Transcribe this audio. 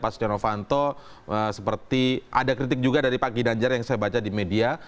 mungkin sebagian pihak menilai pak stenovanto seperti ada kritik juga dari pak gidanjar yang saya baca di media